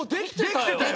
できてたよ。